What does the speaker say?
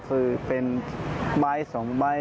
คือเป็นบ่อยสองบ่อยครับ